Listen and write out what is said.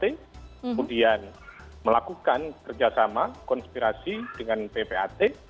kemudian melakukan kerjasama konspirasi dengan ppat